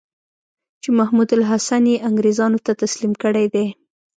چې محمودالحسن یې انګرېزانو ته تسلیم کړی دی.